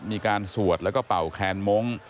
สวดแล้วก็เป่าแคนมงค์